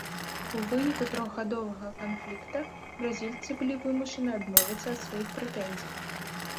У выніку трохгадовага канфлікта бразільцы былі вымушаны адмовіцца ад сваіх прэтэнзій.